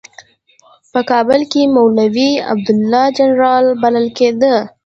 په کابل کې مولوي عبیدالله جنرال بلل کېده.